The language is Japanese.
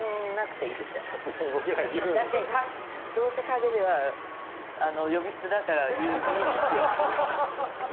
だってどうせ陰では呼び捨てだからいいですよ。